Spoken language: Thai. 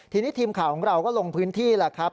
ทีนี้ทีมข่าวของเราก็ลงพื้นที่แล้วครับ